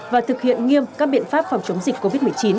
và thực hiện nghiêm các biện pháp phòng chống dịch covid một mươi chín